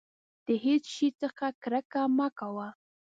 د هېڅ شي څخه کرکه مه کوه.